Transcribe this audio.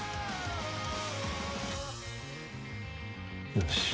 よし。